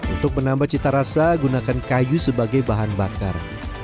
untuk menambah cita rasa gunakan kayu sebagai bahan bakar